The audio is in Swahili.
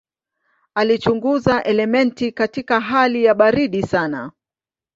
Alichunguza elementi katika hali ya baridi sana.